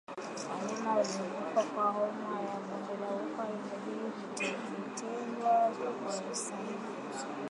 Wanyama waliokufa kwa homa ya bonde la ufa inabidi kuteketezwa kwa usahihi